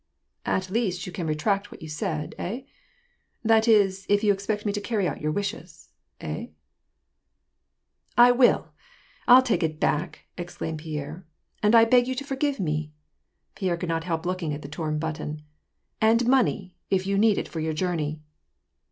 "At least, you can retract what you said. Ha? That is, if you expect me to carry out your wishes. Ha ?"" I will ! I'll take it back !" exclaimed Pierre. « And I beg you to forgive me." Pierre could not help looking at the torn button. " And money, if you need it for your journey."